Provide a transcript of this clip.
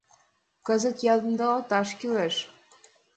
Кызыт ямдылалташ кӱлеш.